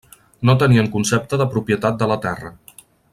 No tenien concepte de propietat de la terra.